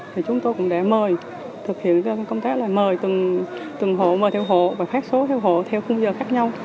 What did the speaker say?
thì chúng tôi cũng đã mời thực hiện công tác là mời từng hộ mời theo hộ và phát số theo hộ theo khung giờ khác nhau